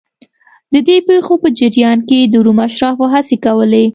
د دې پېښو په جریان کې د روم اشرافو هڅې کولې